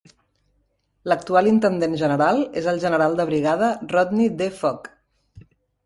L'actual Intendent General és el general de brigada Rodney D. Fogg.